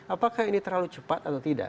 apakah ini terlalu cepat atau tidak